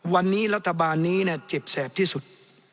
วันนี้รัฐบาลนี้เจ็บแสบที่สุด